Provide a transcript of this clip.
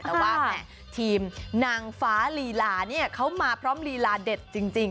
แต่ว่าแหมทีมนางฟ้าลีลาเนี่ยเขามาพร้อมลีลาเด็ดจริง